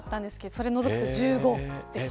それを除くと１５でした。